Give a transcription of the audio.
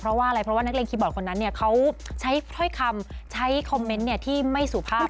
เพราะว่านักเรียงคีย์บอร์ดคนนั้นเขาใช้พร้อยคำใช้คอมเม้นท์ที่ไม่สูภาพ